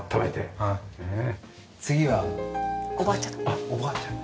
あっおばあちゃん。